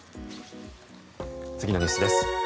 次のニュースです。